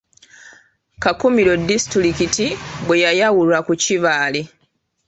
Kakumiro disitulikiti bwe yayawulwa ku Kibaale.